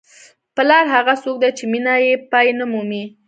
پلار هغه څوک دی چې مینه یې پای نه مومي.